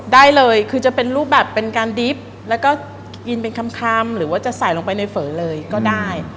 ได้เลยคือจะเป็นรูปแบบเป็นการดิบแล้วก็กินเป็นคำหรือว่าจะใส่ลงไปในเฝอเลยก็ได้